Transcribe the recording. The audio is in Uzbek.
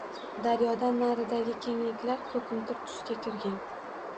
Daryodan naridagi kengliklar koʻkimtir tusga kirgan.